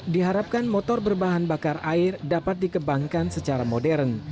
diharapkan motor berbahan bakar air dapat dikembangkan secara modern